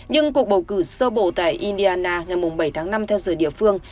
nhưng cuộc bầu cử sơ bộ tại indiana ngày bảy tháng năm theo giờ địa phương